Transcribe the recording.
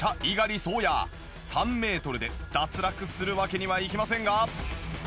３メートルで脱落するわけにはいきませんが。